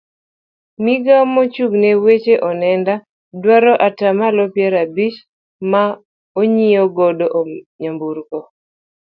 Migawo mochung' ne weche onenda dwaro atamalo piero abich ma onyiew godo nyamburko.